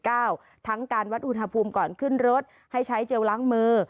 ทั้งการวัดอุณหภูมิก่อนขึ้นรถให้ใช้เจลล้างมือ